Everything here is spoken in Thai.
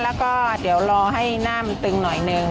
แล้วก็เดี๋ยวรอให้หน้ามันตึงหน่อยนึง